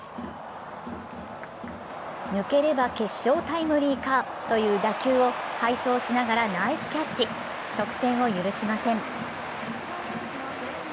抜ければ決勝タイムリーかという打球を背走しながらナイスキャッチ、得点を許しません。